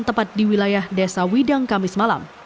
tepat di wilayah desa widang kamis malam